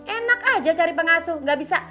enak aja cari pengasuh gak bisa